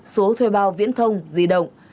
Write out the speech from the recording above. số thuê bao viễn thông di động